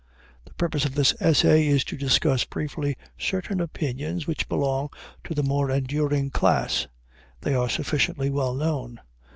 The purpose of this essay is to discuss briefly certain opinions which belong to the more enduring class. They are sufficiently well known.